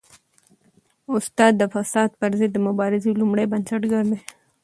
استاد د فساد پر ضد د مبارزې لومړی بنسټګر دی.